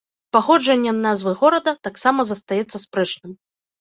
Паходжанне назвы горада таксама застаецца спрэчным.